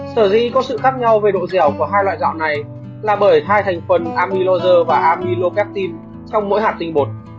sở dĩ có sự khác nhau về độ dẻo của hai loại gạo này là bởi hai thành phần amylose và amylopeptin trong mỗi hạt tinh bột